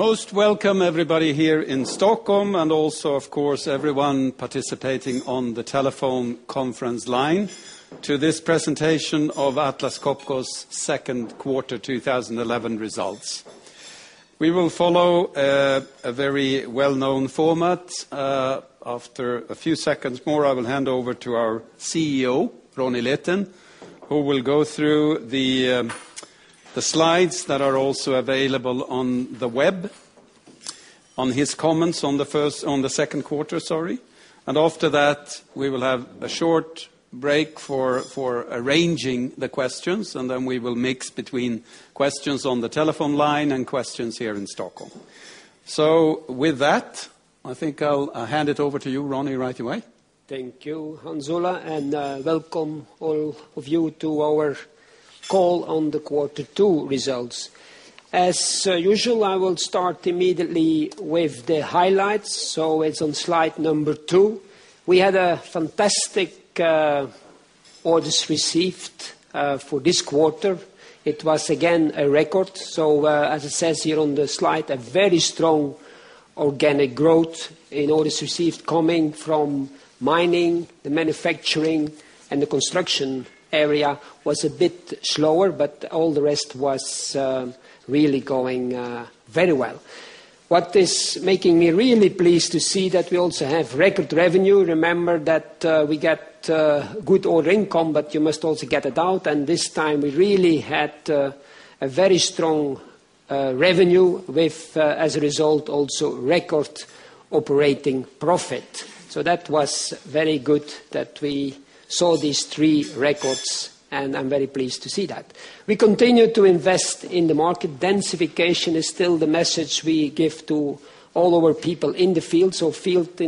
Most welcome, everybody here in Stockholm, and also, of course, everyone participating on the telephone conference line to this presentation of Atlas Copco's Second Quarter 2011 Results. We will follow a very well-known format. After a few seconds more, I will hand over to our CEO, Ronnie Leten, who will go through the slides that are also available on the web, on his comments on the second quarter. After that, we will have a short break for arranging the questions, and then we will mix between questions on the telephone line and questions here in Stockholm. With that, I think I'll hand it over to you, Ronnie, right away. Thank you, Hans Ola, and welcome all of you to our call on the quarter two results. As usual, I will start immediately with the highlights. It's on slide number two. We had a fantastic audience received for this quarter. It was again a record. As it says here on the slide, a very strong organic growth in orders received coming from mining, the manufacturing, and the construction area was a bit slower, but all the rest was really going very well. What is making me really pleased to see is that we also have record revenue. Remember that we get good order income, but you must also get it out. This time we really had a very strong revenue with, as a result, also record operating profit. That was very good that we saw these three records, and I'm very pleased to see that. We continue to invest in the market. Densification is still the message we give to all our people in the field. Feet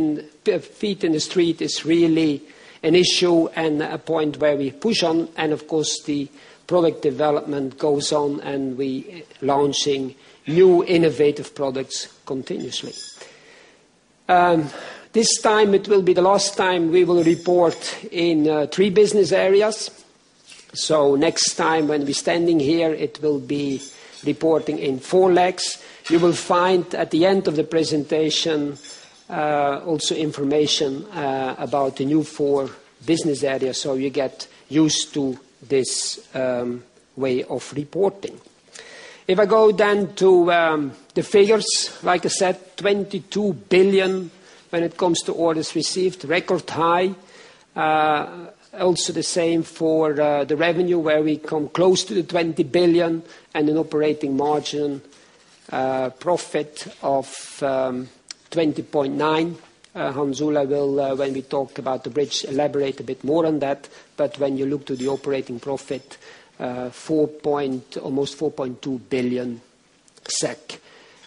in the street is really an issue and a point where we push on. Of course, the product development goes on, and we are launching new innovative products continuously. This time it will be the last time we will report in three business areas. Next time when we're standing here, it will be reporting in four legs. You will find at the end of the presentation also information about the new four business areas, so you get used to this way of reporting. If I go then to the figures, like I said, 22 billion when it comes to orders received, record high. Also the same for the revenue where we come close to 20 billion and an operating margin, profit of 20.9%. Hans Ola will, when we talk about the bridge, elaborate a bit more on that. When you look to the operating profit, almost 4.2 billion SEK.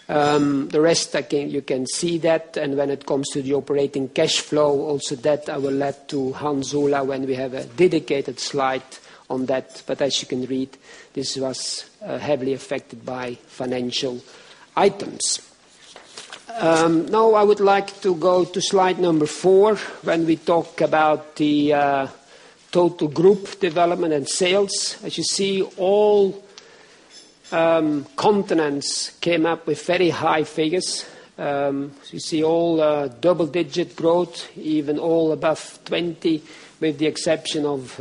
The rest, I think you can see that. When it comes to the operating cash flow, also that I will let to Hans Ola when we have a dedicated slide on that. As you can read, this was heavily affected by financial items. Now I would like to go to slide number four when we talk about the total group development and sales. As you see, all continents came up with very high figures. You see all double-digit growth, even all above 20%, with the exception of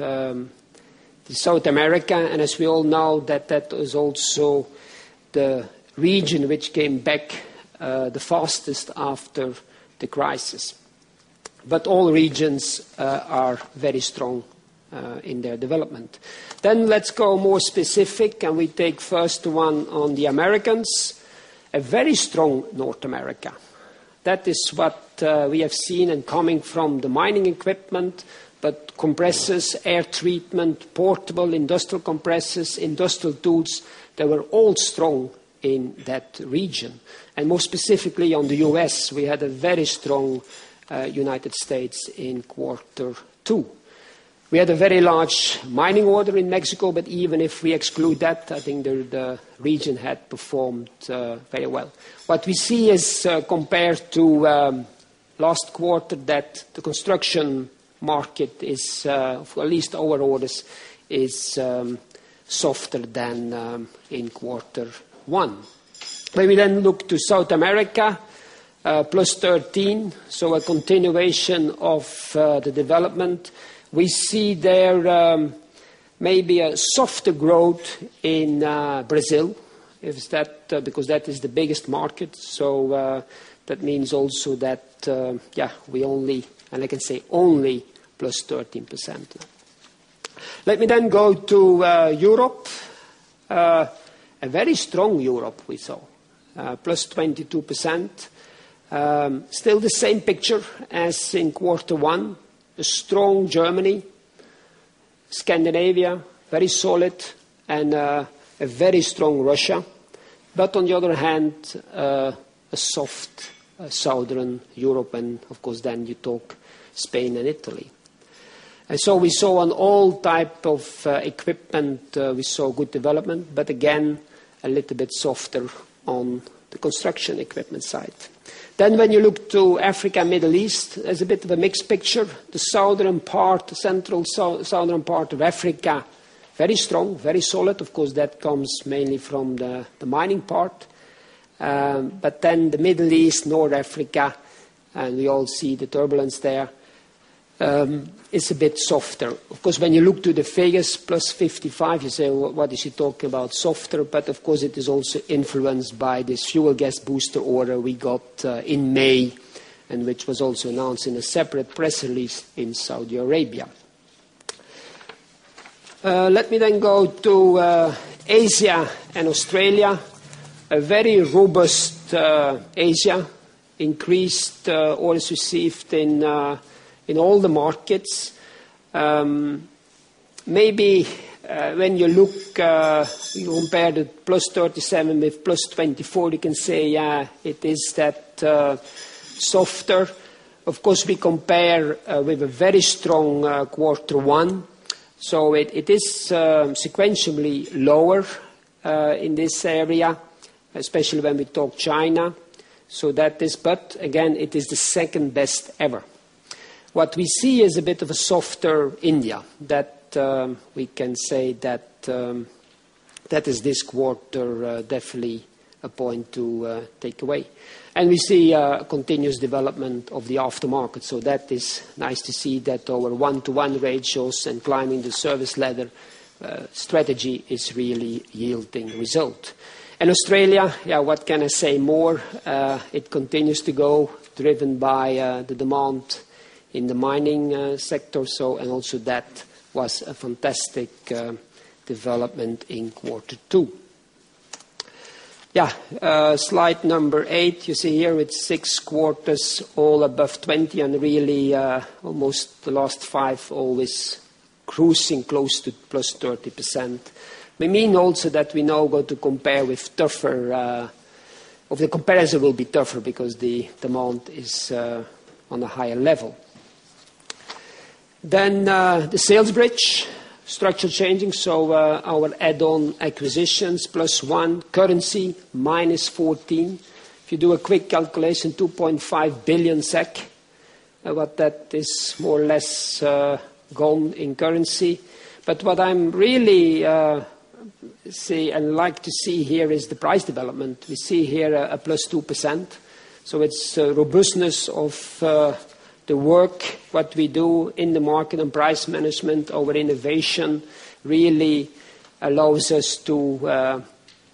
South America. As we all know, that was also the region which came back the fastest after the crisis. All regions are very strong in their development. Let's go more specific, and we take first one on the Americans, a very strong North America. That is what we have seen and coming from the mining equipment, but compressors, air treatment, portable industrial compressors, industrial tools, they were all strong in that region. More specifically on the U.S., we had a very strong United States in quarter two. We had a very large mining order in Mexico, but even if we exclude that, I think the region had performed very well. What we see is compared to last quarter that the construction market is, for at least our orders, softer than in quarter one. When we then look to South America, +13%, so a continuation of the development. We see there maybe a softer growth in Brazil because that is the biggest market. That means also that, yeah, we only, and I can say only +13%. Let me then go to Europe. A very strong Europe we saw, +22%. Still the same picture as in quarter one, a strong Germany, Scandinavia, very solid, and a very strong Russia. On the other hand, a soft Southern Europe, and of course then you talk Spain and Italy. We saw on all types of equipment, we saw good development, but again, a little bit softer on the construction equipment side. When you look to Africa and Middle East, there's a bit of a mixed picture. The southern part, the central southern part of Africa, very strong, very solid. Of course, that comes mainly from the mining part. The Middle East, North Africa, and we all see the turbulence there, it's a bit softer. Of course, when you look to the figures, +55%, you say, what is she talking about? Softer. Of course, it is also influenced by this fuel gas booster order we got in May, and which was also announced in a separate press release in Saudi Arabia. Let me then go to Asia and Australia. A very robust Asia, increased orders received in all the markets. Maybe when you look, you compare the +37% with +24%, you can say, yeah, it is that softer. Of course, we compare with a very strong quarter one. It is sequentially lower in this area, especially when we talk China. That is, but again, it is the second best ever. What we see is a bit of a softer India. That we can say that that is this quarter definitely a point to take away. We see a continuous development of the aftermarket. That is nice to see that our One-to-one ratios and climbing the service ladder strategy is really yielding the result. Australia, yeah, what can I say more? It continues to go driven by the demand in the mining sector. That was a fantastic development in quarter two. Slide number eight, you see here with six quarters all above 20% and really almost the last five always cruising close to +30%. We mean also that we know what to compare with; the comparison will be tougher because the demand is on a higher level. The sales bridge, structure changing. Our add-on acquisitions, +1%, currency, -14%. If you do a quick calculation, 2.5 billion SEK, that is more or less gone in currency. What I really see and like to see here is the price development. We see here a +2%. It's the robustness of the work, what we do in the market, and price management over innovation really allows us to,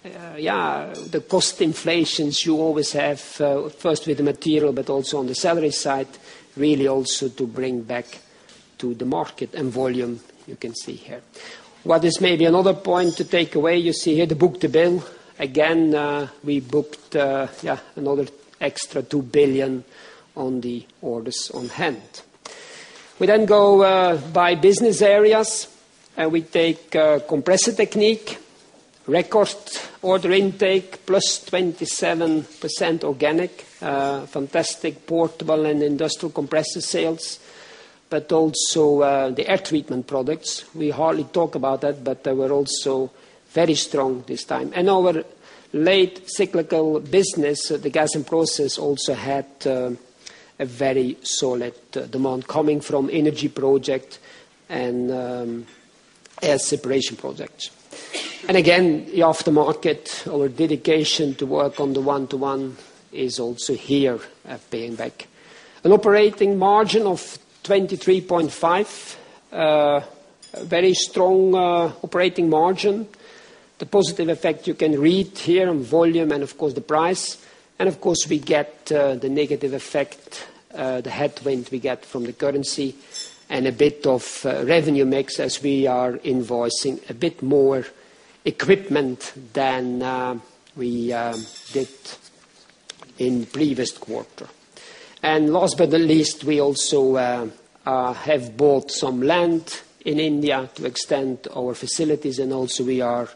the cost inflations you always have first with the material, but also on the salary side, really also to bring back to the market and volume you can see here. What is maybe another point to take away, you see here the book to bill. Again, we booked another extra 2 billion on the orders on hand. We then go by business areas. We take Compressor Technique, record order intake, plus 27% organic, fantastic portable and industrial compressor sales, but also the air treatment products. We hardly talk about that, but they were also very strong this time. Our late cyclical business, the Gas and Process, also had a very solid demand coming from energy projects and air separation projects. Again, the aftermarket, our dedication to work on the One-to-one, is also here paying back. An operating margin of 23.5%, a very strong operating margin. The positive effect you can read here in volume and of course the price. Of course, we get the negative effect, the headwind we get from the currency and a bit of revenue mix as we are invoicing a bit more equipment than we did in the previous quarter. Last but not least, we also have bought some land in India to extend our facilities and also we are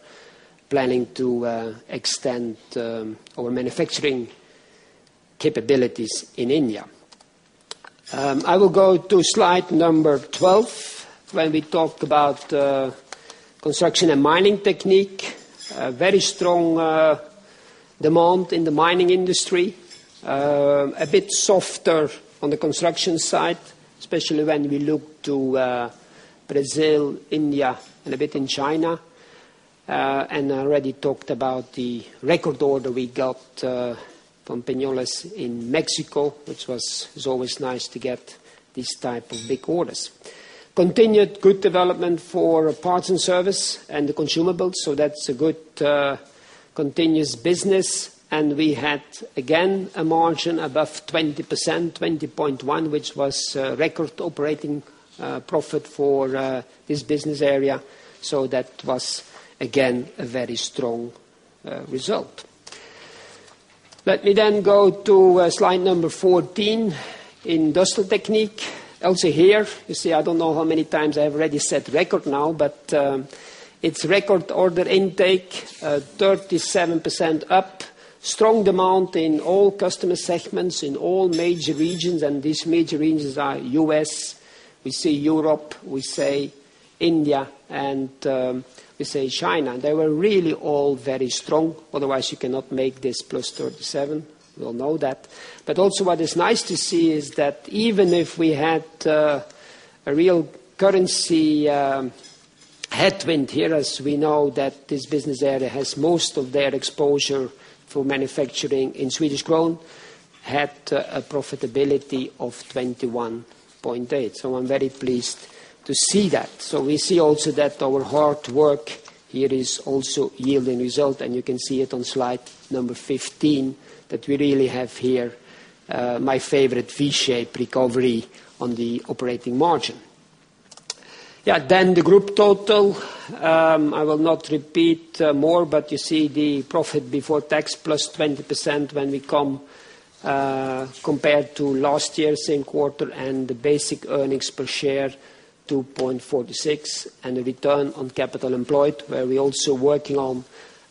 planning to extend our manufacturing capabilities in India. I will go to slide number 12 when we talk about Construction and Mining Technique. A very strong demand in the mining industry. A bit softer on the construction side, especially when we look to Brazil, India, and a bit in China. I already talked about the record order we got from Peñoles in Mexico, which was always nice to get these type of big orders. Continued good development for parts and service and the consumables. That's a good continuous business. We had again a margin above 20%, 20.1%, which was a record operating profit for this business area. That was again a very strong result. Let me then go to slide number 14 in Industrial Technique. Also here, you see, I don't know how many times I've already said record now, but it's record order intake, 37% up. Strong demand in all customer segments, in all major regions, and these major regions are U.S., we see Europe, we say India, and we say China. They were really all very strong. Otherwise, you cannot make this +37%. We all know that. What is nice to see is that even if we had a real currency headwind here, as we know that this business area has most of their exposure for manufacturing in Swedish krone, had a profitability of 21.8%. I'm very pleased to see that. We see also that our hard work here is also yielding results, and you can see it on slide number 15 that we really have here, my favorite V-shape recovery on the operating margin. The group total, I will not repeat more, but you see the profit before tax +20% when we compare to last year's same quarter and the basic earnings per share, 2.46, and the return on capital employed where we're also working on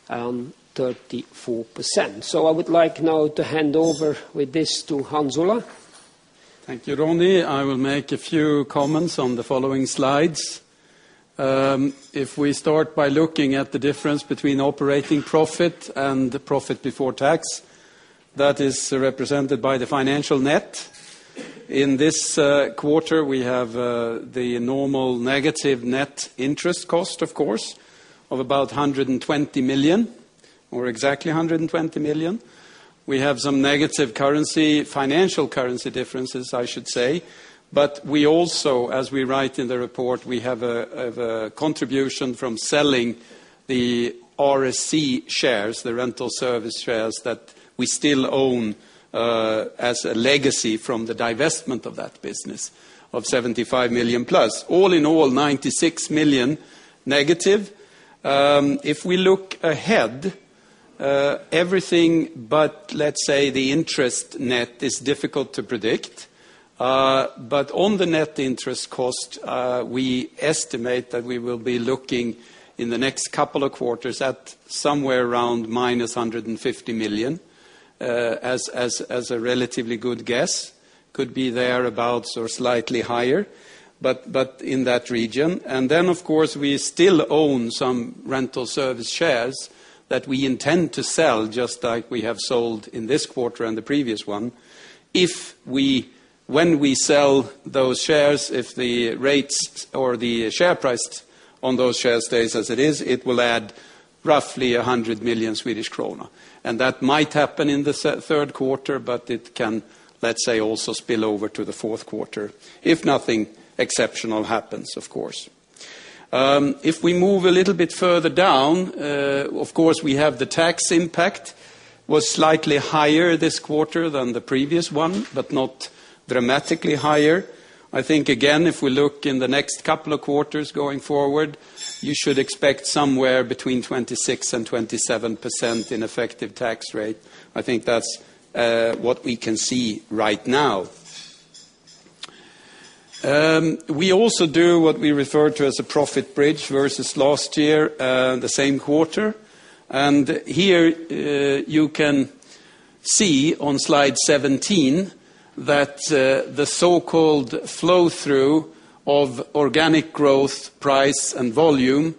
34%. I would like now to hand over with this to Hans Ola. Thank you, Ronnie. I will make a few comments on the following slides. If we start by looking at the difference between operating profit and the profit before tax, that is represented by the financial net. In this quarter, we have the normal negative net interest cost, of course, of about 120 million, or exactly 120 million. We have some negative currency, financial currency differences, I should say. We also, as we write in the report, have a contribution from selling the RSC shares, the rental service shares that we still own as a legacy from the divestment of that business, of 75 million plus. All in all, 96 million negative. If we look ahead, everything but the interest net is difficult to predict. On the net interest cost, we estimate that we will be looking in the next couple of quarters at somewhere around minus 150 million, as a relatively good guess. It could be thereabouts or slightly higher, but in that region. We still own some rental service shares that we intend to sell just like we have sold in this quarter and the previous one. When we sell those shares, if the rates or the share price on those shares stays as it is, it will add roughly 100 million Swedish krona. That might happen in the third quarter, but it can also spill over to the fourth quarter if nothing exceptional happens, of course. If we move a little bit further down, we have the tax impact. It was slightly higher this quarter than the previous one, but not dramatically higher. I think, again, if we look in the next couple of quarters going forward, you should expect somewhere between 26% and 27% in effective tax rate. I think that's what we can see right now. We also do what we refer to as a profit bridge versus last year, the same quarter. Here you can see on slide 17 that the so-called Flow-through of organic growth, price, and volume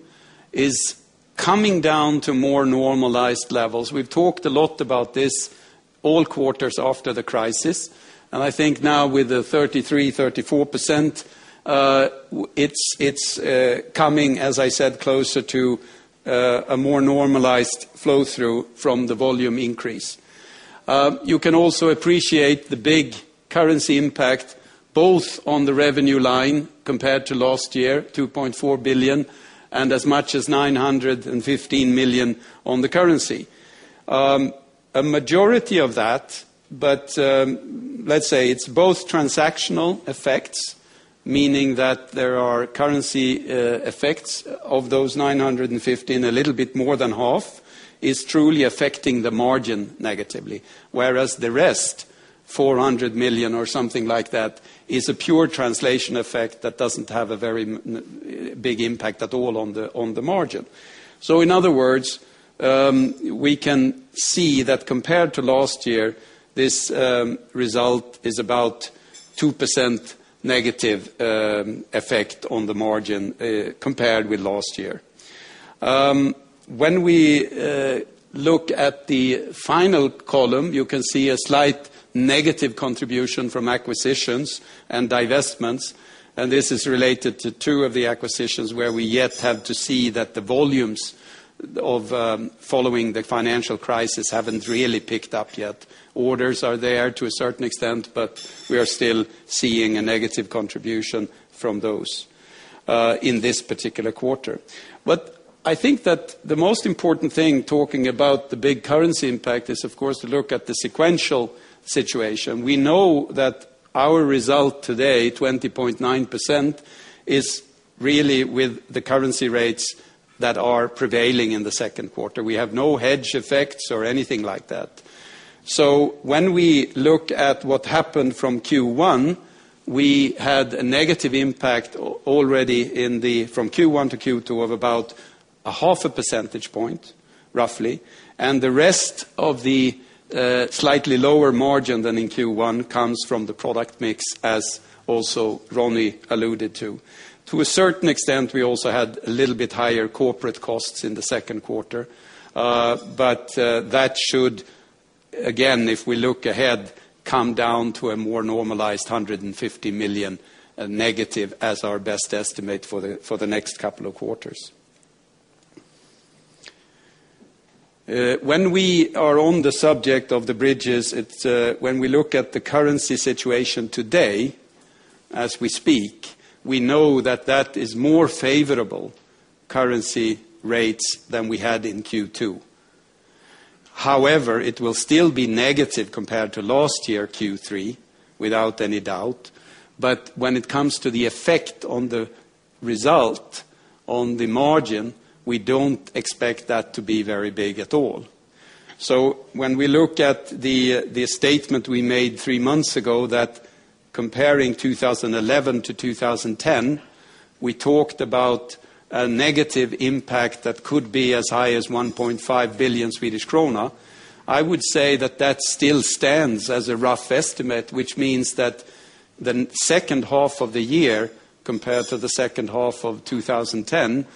is coming down to more normalized levels. We talked a lot about this all quarters after the crisis. I think now with the 33%, 34%, it's coming, as I said, closer to a more normalized Flow-through from the volume increase. You can also appreciate the big currency impact, both on the revenue line compared to last year, 2.4 billion, and as much as 915 million on the currency. A majority of that, but it's both Transactional effects, meaning that there are currency effects of those 915 million, a little bit more than half, is truly affecting the margin negatively. Whereas the rest, 400 million or something like that, is a pure Translation effect that doesn't have a very big impact at all on the margin. In other words, we can see that compared to last year, this result is about 2% negative effect on the margin compared with last year. When we look at the final column, you can see a slight negative contribution from acquisitions and divestments. This is related to two of the acquisitions where we yet have to see that the volumes following the financial crisis haven't really picked up yet. Orders are there to a certain extent, but we are still seeing a negative contribution from those in this particular quarter. I think that the most important thing talking about the big currency impact is, of course, to look at the sequential situation. We know that our result today, 20.9%, is really with the currency rates that are prevailing in the second quarter. We have no hedge effects or anything like that. When we looked at what happened from Q1, we had a negative impact already from Q1 to Q2 of about a half a percentage point, roughly. The rest of the slightly lower margin than in Q1 comes from the product mix, as also Ronnie alluded to. To a certain extent, we also had a little bit higher corporate costs in the second quarter. That should, again, if we look ahead, come down to a more normalized 150 million negative as our best estimate for the next couple of quarters. When we are on the subject of the bridges, when we look at the currency situation today, as we speak, we know that that is more favorable currency rates than we had in Q2. However, it will still be negative compared to last year Q3, without any doubt. When it comes to the effect on the result on the margin, we don't expect that to be very big at all. When we look at the statement we made three months ago that comparing 2011 to 2010, we talked about a negative impact that could be as high as 1.5 billion Swedish krona. I would say that that still stands as a rough estimate, which means that the second half of the year compared to the second half of 2010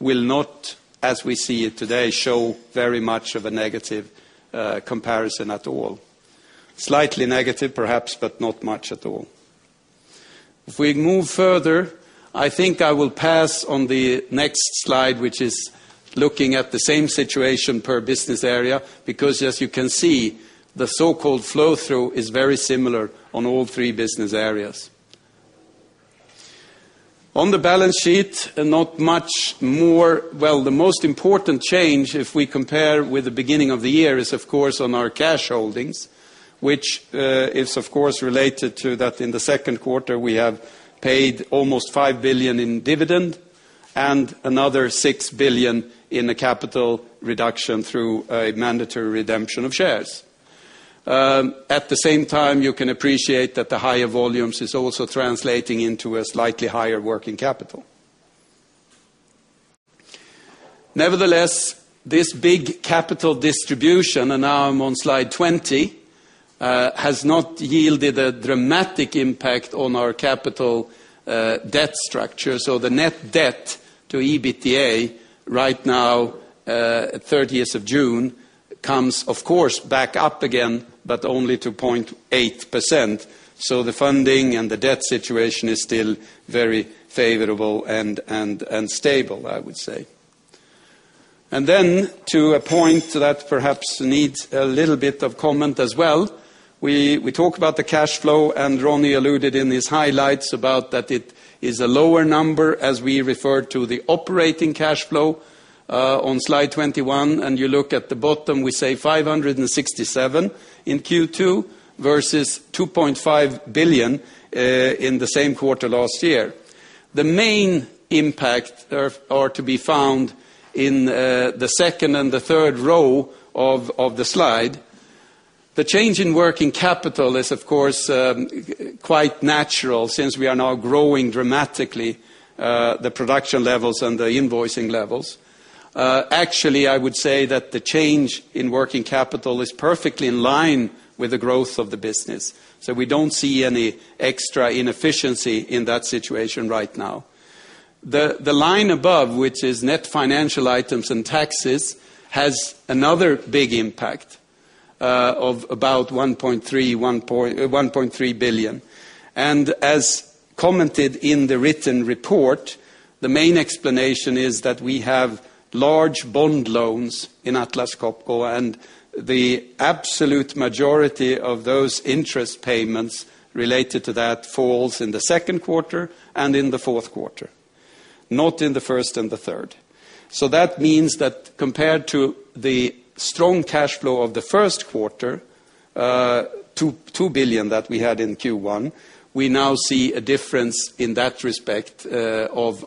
will not, as we see it today, show very much of a negative comparison at all. Slightly negative perhaps, but not much at all. If we move further, I think I will pass on the next slide, which is looking at the same situation per business area, because as you can see, the so-called Flow-through is very similar on all three business areas. On the balance sheet, not much more. The most important change if we compare with the beginning of the year is, of course, on our cash holdings, which is, of course, related to that in the second quarter we have paid almost 5 billion in dividend and another 6 billion in the capital reduction through a mandatory redemption of shares. At the same time, you can appreciate that the higher volumes are also translating into a slightly higher working capital. Nevertheless, this big capital distribution, and now I'm on slide 20, has not yielded a dramatic impact on our capital debt structure. The net debt to EBITDA right now, 30th of June, comes, of course, back up again, but only to 0.8%. The funding and the debt situation is still very favorable and stable, I would say. To a point that perhaps needs a little bit of comment as well, we talk about the cash flow, and Ronnie alluded in his highlights about that it is a lower number as we refer to the operating cash flow on slide 21. You look at the bottom, we say 567 million in Q2 versus 2.5 billion in the same quarter last year. The main impacts are to be found in the second and the third row of the slide. The change in working capital is, of course, quite natural since we are now growing dramatically, the production levels and the invoicing levels. Actually, I would say that the change in working capital is perfectly in line with the growth of the business. We don't see any extra inefficiency in that situation right now. The line above, which is net financial items and taxes, has another big impact of about 1.3 billion. As commented in the written report, the main explanation is that we have large bond loans in Atlas Copco, and the absolute majority of those interest payments related to that falls in the second quarter and in the fourth quarter, not in the first and the third. That means that compared to the strong cash flow of the first quarter, 2 billion that we had in Q1, we now see a difference in that respect of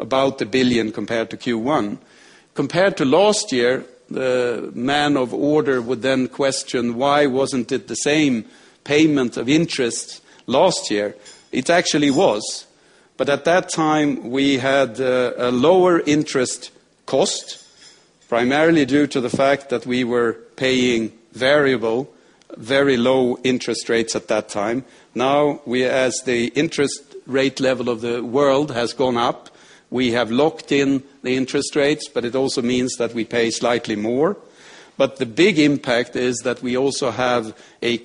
about 1 billion compared to Q1. Compared to last year, one might then question why wasn't it the same payment of interest last year? It actually was. At that time, we had a lower interest cost, primarily due to the fact that we were paying variable, very low interest rates at that time. Now, as the interest rate level of the world has gone up, we have locked in the interest rates, but it also means that we pay slightly more. The big impact is that we also have a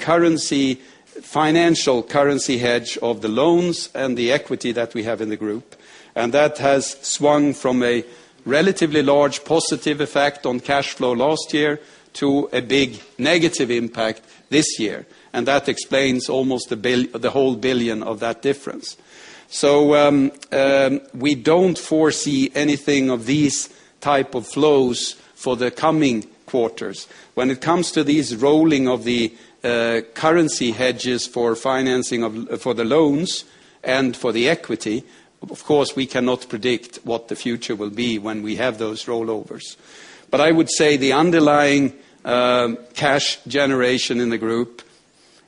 financial currency hedge of the loans and the equity that we have in the group. That has swung from a relatively large positive effect on cash flow last year to a big negative impact this year. That explains almost the whole billion of that difference. We don't foresee anything of these types of flows for the coming quarters. When it comes to these rolling of the currency hedges for financing for the loans and for the equity, of course, we cannot predict what the future will be when we have those rollovers. I would say the underlying cash generation in the group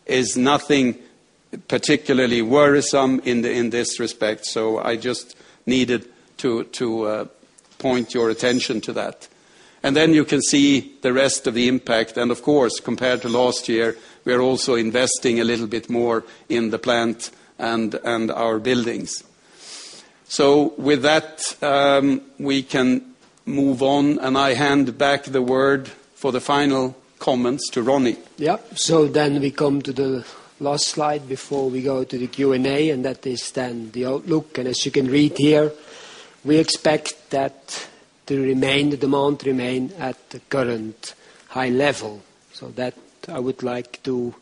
is nothing particularly worrisome in this respect. I just needed to point your attention to that. You can see the rest of the impact. Compared to last year, we're also investing a little bit more in the plant and our buildings. With that, we can move on. I hand back the word for the final comments to Ronnie. Yeah, so we come to the last slide before we go to the Q&A. That is the outlook. As you can read here, we expect that the remainder demand to remain at the current high level. I would like to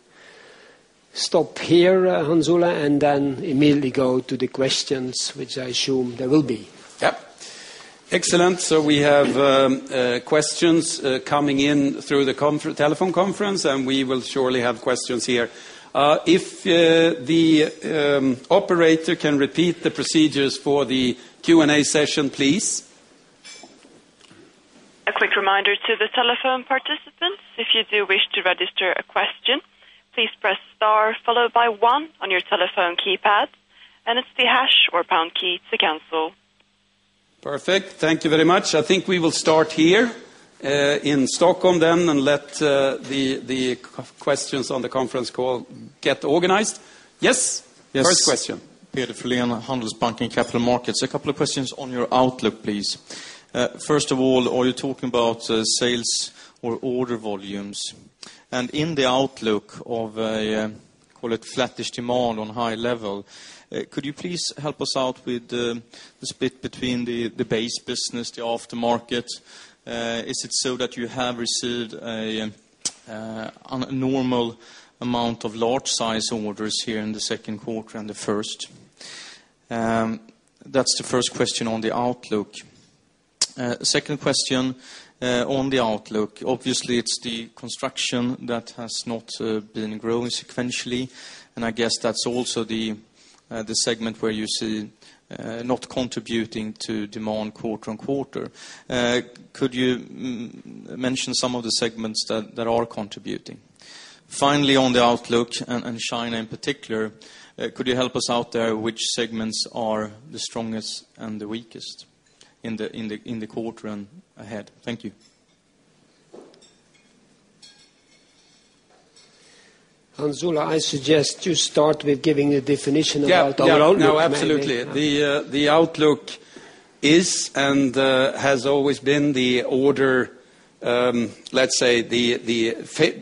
stop here, Hans Ola, and then immediately go to the questions, which I assume there will be. Excellent. We have questions coming in through the telephone conference, and we will surely have questions here. If the operator can repeat the procedures for the Q&A session, please. A quick reminder to the telephone participants: if you do wish to register a question, please press star followed by one on your telephone keypad. It's the hash or pound key to cancel. Perfect. Thank you very much. I think we will start here in Stockholm, then let the questions on the conference call get organized. Yes, first question. Peder Frölén from Handelsbanken Capital Markets. A couple of questions on your outlook, please. First of all, are you talking about sales or order volumes? In the outlook of a, call it, flattish demand on high level, could you please help us out with the split between the base business, the aftermarket? Is it so that you have received a normal amount of large size orders here in the second quarter and the first? That's the first question on the outlook. Second question on the outlook. Obviously, it's the construction that has not been growing sequentially. I guess that's also the segment where you see not contributing to demand quarter on quarter. Could you mention some of the segments that are contributing? Finally, on the outlook and China in particular, could you help us out there which segments are the strongest and the weakest in the quarter and ahead? Thank you. Hans Ola, I suggest you start with giving a definition about the outlook. No, absolutely. The outlook is and has always been the order, let's say,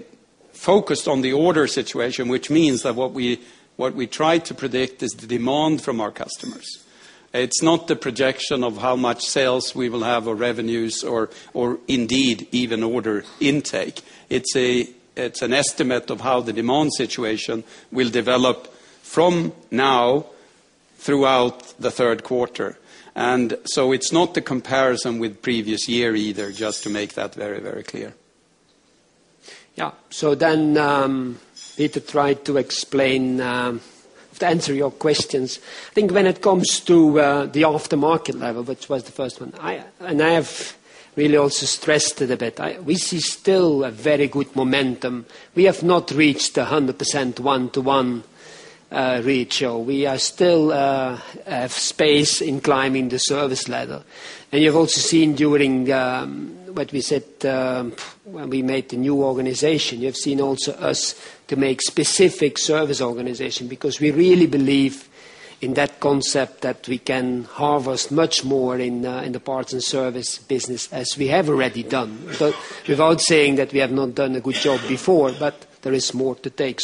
focused on the order situation, which means that what we try to predict is the demand from our customers. It's not the projection of how much sales we will have or revenues or indeed even order intake. It's an estimate of how the demand situation will develop from now throughout the third quarter. It's not the comparison with previous year either, just to make that very, very clear. Yeah, so I need to try to explain to answer your questions. I think when it comes to the aftermarket level, which was the first one, and I have really also stressed it a bit, we see still a very good momentum. We have not reached 100% One-to-one ratio. We still have space in climbing the service level. You've also seen during what we said when we made the new organization, you have seen also us make specific service organization because we really believe in that concept that we can harvest much more in the parts and service business as we have already done. Without saying that we have not done a good job before, but there is more to take.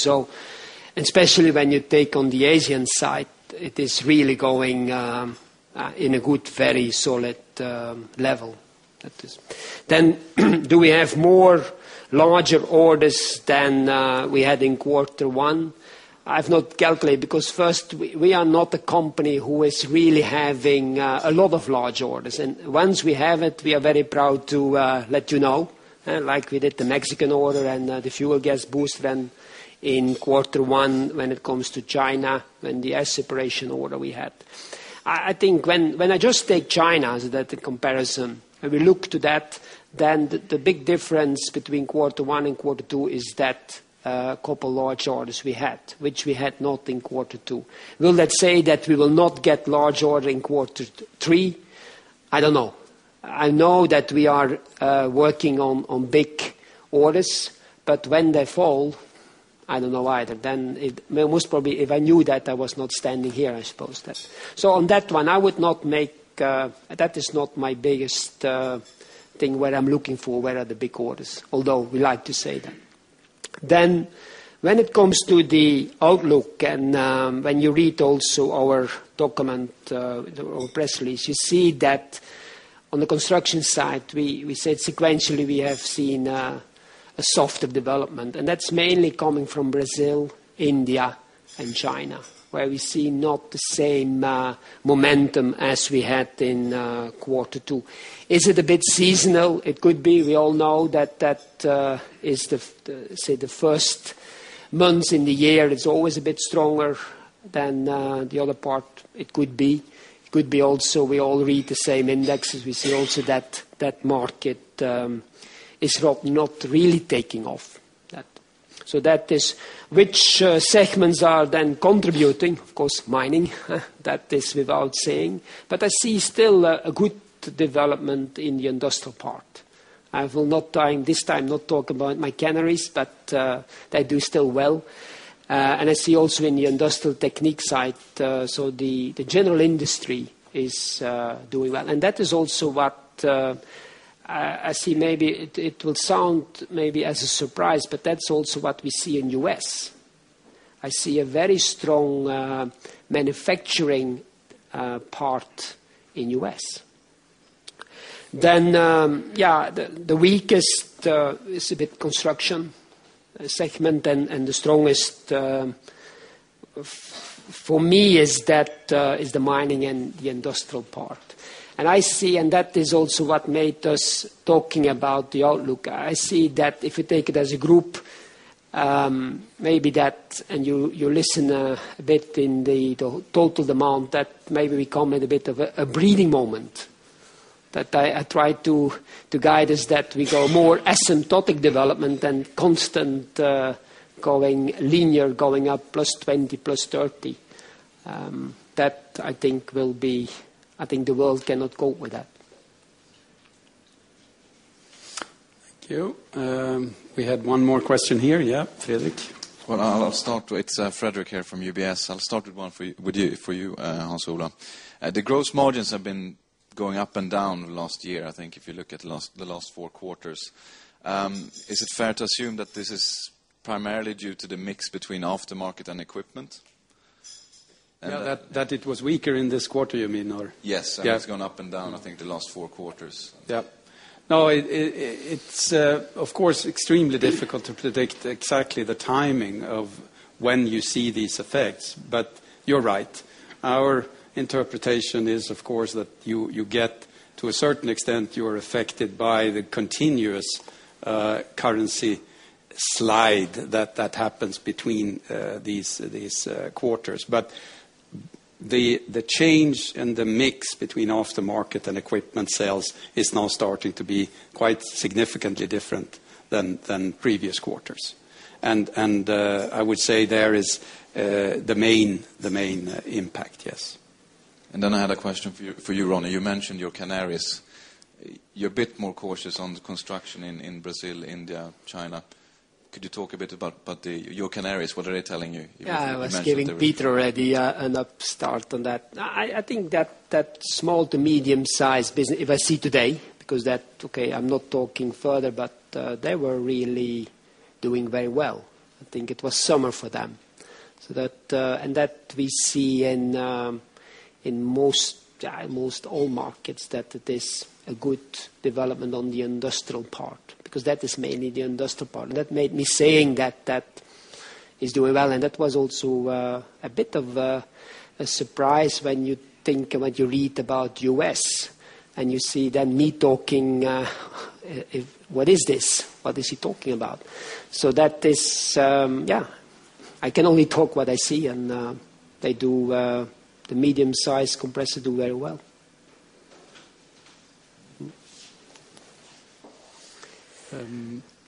Especially when you take on the Asian side, it is really going in a good, very solid level. Do we have more larger orders than we had in quarter one? I've not calculated because first, we are not a company who is really having a lot of large orders. Once we have it, we are very proud to let you know, like we did the Mexican order and the fuel gas boost in quarter one when it comes to China and the air separation order we had. I think when I just take China as the comparison, we look to that, then the big difference between quarter one and quarter two is that a couple of large orders we had, which we had not in quarter two. Will that say that we will not get large order in quarter three? I don't know. I know that we are working on big orders, but when they fall, I don't know either. Most probably if I knew that, I was not standing here, I suppose that. On that one, I would not make, that is not my biggest thing where I'm looking for, where are the big orders, although we like to say that. When it comes to the outlook and when you read also our document, our press release, you see that on the construction side, we said sequentially we have seen a softer development. That's mainly coming from Brazil, India, and China, where we see not the same momentum as we had in quarter two. Is it a bit seasonal? It could be. We all know that that is, say, the first months in the year. It's always a bit stronger than the other part. It could be. It could be also we all read the same indexes. We see also that that market is not really taking off. That is which segments are then contributing, of course, mining. That is without saying. I see still a good development in the industrial part. I will not this time not talk about my canneries, but they do still well. I see also in the Industrial Technique side, so the general industry is doing well. That is also what I see. Maybe it will sound as a surprise, but that's also what we see in the U.S. I see a very strong manufacturing part in the U.S. The weakest is a bit construction segment, and the strongest for me is the mining and the industrial part. I see, and that is also what made us talking about the outlook. I see that if you take it as a group, maybe that, and you listen a bit in the total amount, that maybe we come at a bit of a breathing moment. I try to guide us that we go more asymptotic development and constant going linear, going up +20%, +30%. I think the world cannot cope with that. Thank you. We had one more question here. Yeah, Philippe? I'll start with Fredric here from UBS. I'll start with one for you, Hans Ola. The gross margins have been going up and down last year, I think, if you look at the last four quarters. Is it fair to assume that this is primarily due to the mix between Aftermarket and equipment? That it was weaker in this quarter, you mean? Yes, it's gone up and down, I think, the last four quarters. Yeah. No, it's, of course, extremely difficult to predict exactly the timing of when you see these effects. You're right. Our interpretation is, of course, that you get, to a certain extent, you are affected by the continuous currency slide that happens between these quarters. The change in the mix between Aftermarket and equipment sales is now starting to be quite significantly different than previous quarters. I would say there is the main impact, yes. I had a question for you, Ronnie. You mentioned your canneries. You're a bit more cautious on construction in Brazil, India, China. Could you talk a bit about your canneries? What are they telling you? Yeah, I was giving Peder already an upstart on that. I think that small to medium size business, if I see today, because that, okay, I'm not talking further, but they were really doing very well. I think it was summer for them. That, and that we see in most, yeah, most all markets, that it is a good development on the industrial part because that is mainly the industrial part. That made me saying that that is doing well. That was also a bit of a surprise when you think about what you read about the U.S. and you see then me talking, what is this? What is he talking about? I can only talk what I see and they do, the medium size compressor do very well.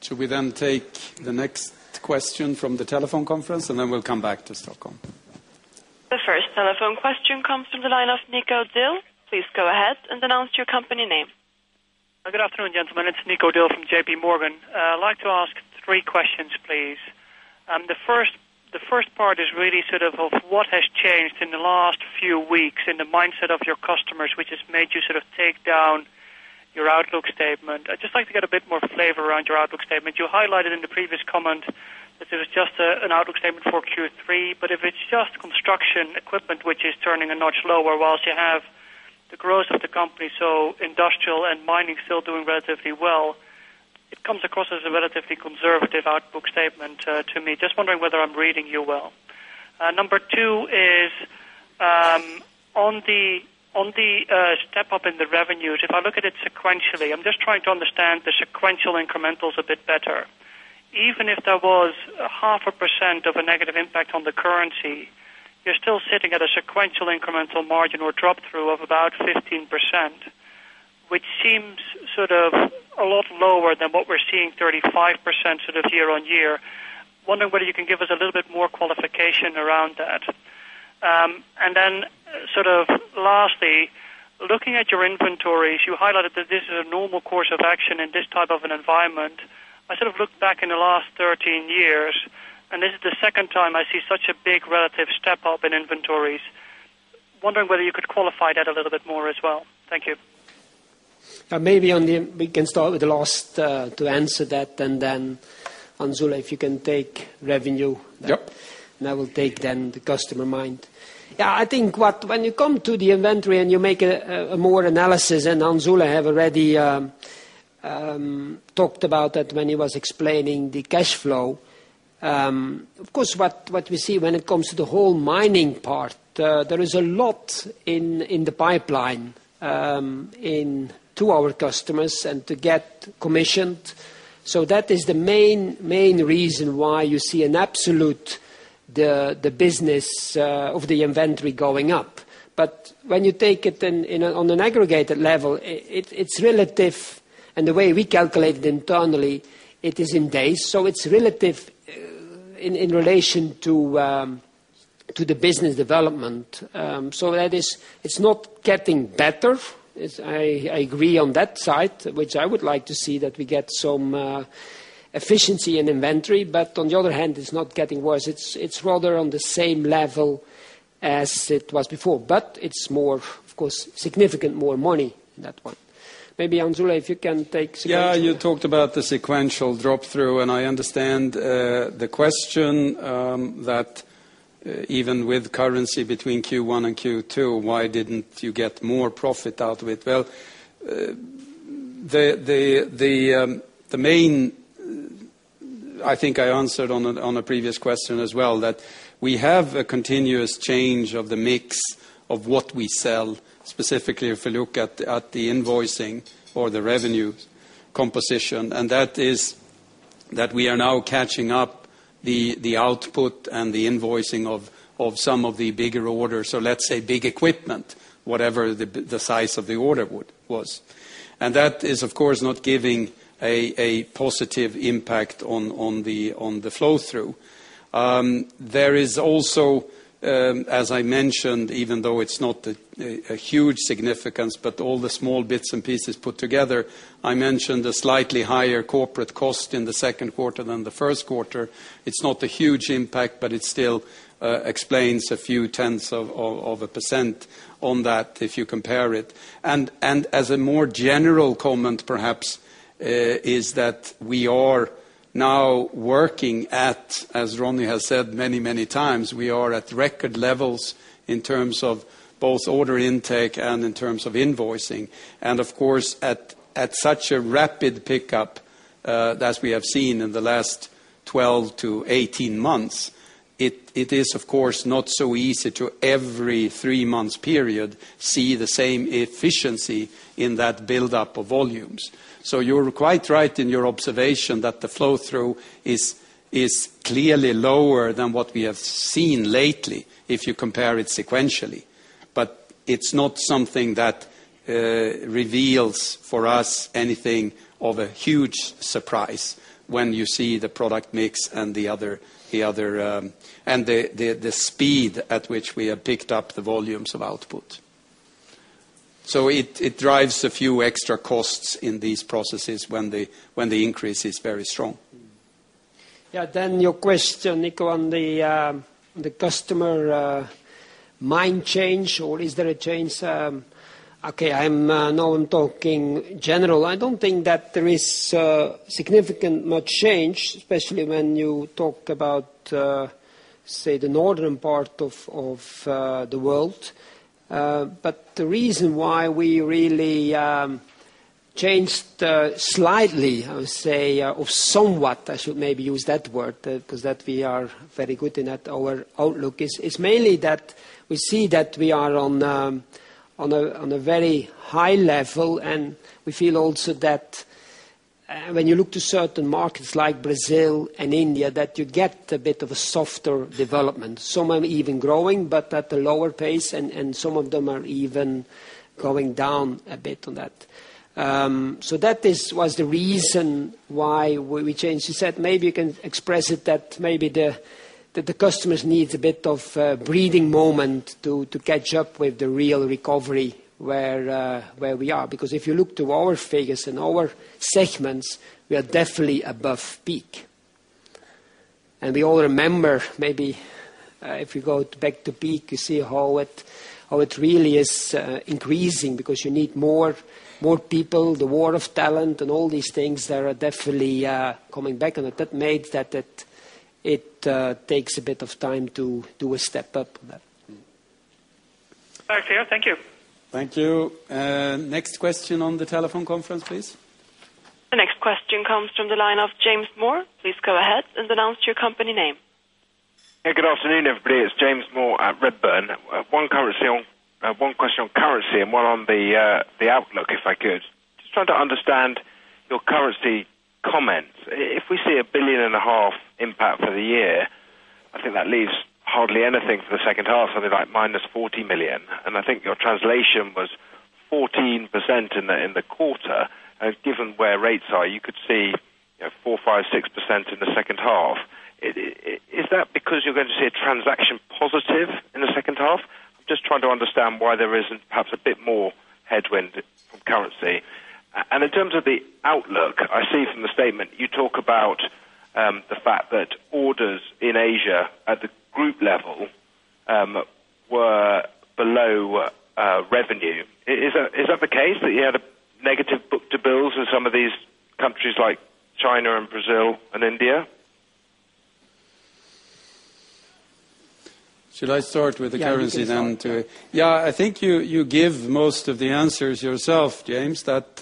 Should we then take the next question from the telephone conference, and then we'll come back to Stockholm? The first telephone question comes from the line of Nico Dill. Please go ahead and announce your company name. Good afternoon, gentlemen. It's Nico Dil from JPMorgan. I'd like to ask three questions, please. The first part is really sort of what has changed in the last few weeks in the mindset of your customers, which has made you sort of take down your outlook statement. I'd just like to get a bit more flavor around your outlook statement. You highlighted in the previous comment that it was just an outlook statement for Q3, but if it's just construction equipment, which is turning a notch lower whilst you have the growth of the company, so industrial and mining still doing relatively well, it comes across as a relatively conservative outlook statement to me. Just wondering whether I'm reading you well. Number two is on the step up in the revenues, if I look at it sequentially, I'm just trying to understand the sequential incrementals a bit better. Even if there was 0.5% of a negative impact on the currency, you're still sitting at a sequential incremental margin or drop-through of about 15%, which seems sort of a lot lower than what we're seeing 35% sort of year on year. Wondering whether you can give us a little bit more qualification around that. Lastly, looking at your inventories, you highlighted that this is a normal course of action in this type of an environment. I sort of looked back in the last 13 years, and this is the second time I see such a big relative step up in inventories. Wondering whether you could qualify that a little bit more as well. Thank you. Maybe we can start with the last to answer that, and then Hans Ola, if you can take revenue. Yep. I will take then the customer mind. Yeah, I think when you come to the inventory and you make a more analysis, and Hans Ola has already talked about that when he was explaining the cash flow. Of course, what we see when it comes to the whole mining part, there is a lot in the pipeline to our customers and to get commissioned. That is the main reason why you see an absolute business of the inventory going up. When you take it on an aggregated level, it's relative, and the way we calculate it internally, it is in days. It's relative in relation to the business development. It is not getting better. I agree on that side, which I would like to see that we get some efficiency in inventory. On the other hand, it's not getting worse. It's rather on the same level as it was before. It's more, of course, significant more money, that one. Maybe Hans Ola, if you can take. Yeah, you talked about the sequential drop-through, and I understand the question that even with currency between Q1 and Q2, why didn't you get more profit out of it? The main, I think I answered on a previous question as well, is that we have a continuous change of the mix of what we sell, specifically if we look at the invoicing or the revenue composition. That is that we are now catching up the output and the invoicing of some of the bigger orders. Let's say big equipment, whatever the size of the order was. That is, of course, not giving a positive impact on the Flow-through. There is also, as I mentioned, even though it's not a huge significance, all the small bits and pieces put together. I mentioned a slightly higher corporate cost in the second quarter than the first quarter. It's not a huge impact, but it still explains a few tenths of a percent on that if you compare it. As a more general comment, perhaps, we are now working at, as Ronnie has said many, many times, we are at record levels in terms of both order intake and in terms of invoicing. Of course, at such a rapid pickup that we have seen in the last 12 to 18 months, it is, of course, not so easy to every three-month period see the same efficiency in that buildup of volumes. You're quite right in your observation that the Flow-through is clearly lower than what we have seen lately if you compare it sequentially. It's not something that reveals for us anything of a huge surprise when you see the product mix and the other, and the speed at which we have picked up the volumes of output. It drives a few extra costs in these processes when the increase is very strong. Yeah, then your question, Nico, on the customer mind change, or is there a change? Okay, I'm now talking general. I don't think that there is significant much change, especially when you talk about, say, the northern part of the world. The reason why we really changed slightly, I would say, or somewhat, I should maybe use that word, is that we are very good in our outlook, mainly because we see that we are on a very high level. We feel also that when you look to certain markets like Brazil and India, you get a bit of a softer development. Some are even growing, but at a lower pace, and some of them are even going down a bit on that. That was the reason why we changed. You said maybe you can express it that maybe the customers need a bit of a breathing moment to catch up with the real recovery where we are. If you look to our figures and our segments, we are definitely above peak. We all remember maybe if we go back to peak, you see how it really is increasing because you need more people, the war of talent, and all these things that are definitely coming back. That made that it takes a bit of time to do a step up. Thank you. Thank you. Next question on the telephone conference, please. The next question comes from the line of James Moore. Please go ahead and announce your company name. Yeah, good afternoon, if please. James Moore at Redburn. One question on currency and one on the outlook, if I could. Just trying to understand your currency comments. If we see a 1.5 billion impact for the year, I think that leaves hardly anything for the second half. They're like -40 million. I think your translation was 14% in the quarter. Given where rates are, you could see 4%, 5%, 6% in the second half. Is that because you're going to see a transaction positive in the second half? I'm just trying to understand why there isn't perhaps a bit more headwind from currency. In terms of the outlook, I see from the statement, you talk about the fact that orders in Asia at the group level were below revenue. Is that the case that you had a negative book to bills in some of these countries like China and Brazil and India? Should I start with the currency then? Yeah, I think you give most of the answers yourself, James, that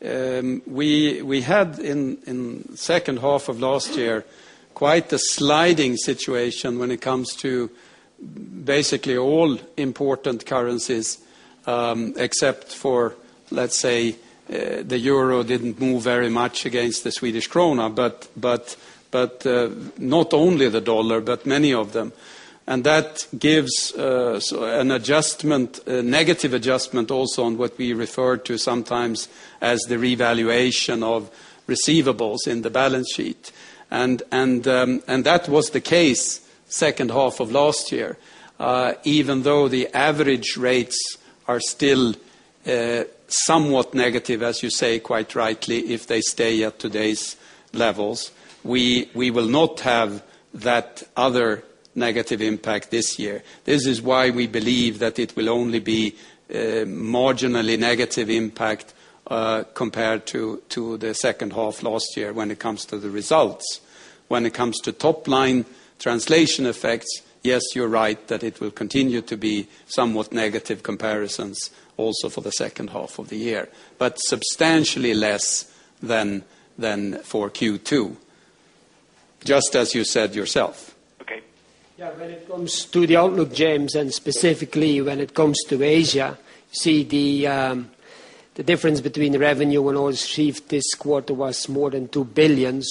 we had in the second half of last year quite a sliding situation when it comes to basically all important currencies, except for, let's say, the euro didn't move very much against the Swedish krona, but not only the dollar, but many of them. That gives an adjustment, a negative adjustment also on what we refer to sometimes as the revaluation of receivables in the balance sheet. That was the case the second half of last year. Even though the average rates are still somewhat negative, as you say, quite rightly, if they stay at today's levels, we will not have that other negative impact this year. This is why we believe that it will only be a marginally negative impact compared to the second half last year when it comes to the results. When it comes to top line Translation effects, yes, you're right that it will continue to be somewhat negative comparisons also for the second half of the year, but substantially less than for Q2, just as you said yourself. Okay. Yeah, when it comes to the outlook, James, and specifically when it comes to Asia, you see the difference between the revenue when all this quarter was more than 2 billion.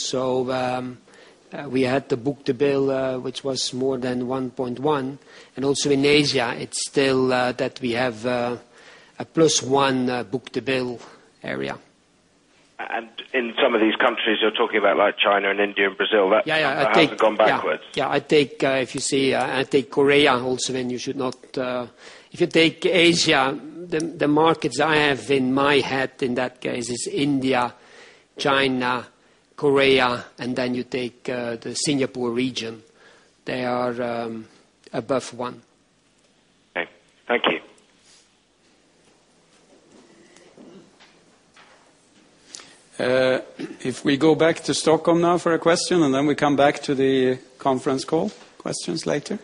We had the book to bill, which was more than 1.1 billion. Also, in Asia, it's still that we have a plus one book to bill area. In some of these countries, you're talking about like China, India, and Brazil. Yeah, I take. They've gone backward. If you see, I take Korea also, then you should not. If you take Asia, then the markets I have in my head in that case are India, China, Korea, and then you take the Singapore region. They are above one. Okay, thank you. If we go back to Stockholm now for a question, and then we come back to the conference call questions later.